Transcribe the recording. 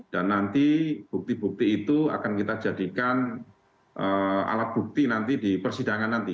dan nanti bukti bukti itu akan kita jadikan alat bukti nanti di persidangan nanti